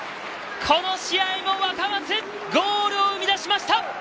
この試合も若松、ゴールを生み出しました。